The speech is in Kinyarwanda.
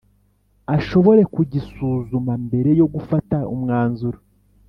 ashobore kugisuzuma mbere yo gufata umwanzuro.